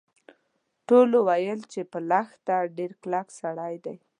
ټولو ویل چې په لښته ډیر کلک سړی دی.